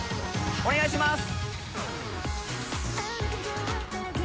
お願いします。